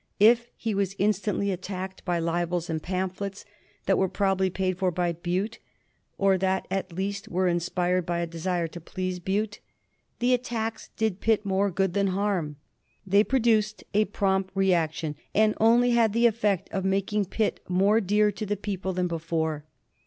If he was instantly attacked by libels and pamphlets that were probably paid for by Bute, or that at least were inspired by a desire to please Bute, the attacks did Pitt more good than harm. They produced a prompt reaction, and only had the effect of making Pitt more dear to the people than before.